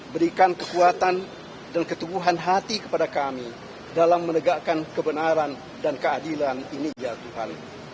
berikan kekuatan dan ketuguhan hati kepada kami dalam menegakkan kebenaran dan keadilan ini ya tuhan